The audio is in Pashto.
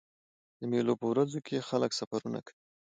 د مېلو په ورځو کښي خلک سفرونه کوي.